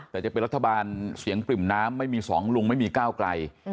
แต่จะเป็นรัฐบาลเสียงปริ่มน้ำไม่มีสองลุงไม่มีก้าวไกล